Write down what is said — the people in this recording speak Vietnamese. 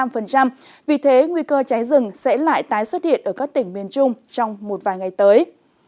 với năm mươi năm vì thế nguy cơ cháy rừng sẽ lại tái xuất hiện ở các tỉnh miền trung trong một vài ngày tới